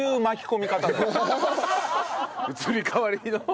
移り変わりの。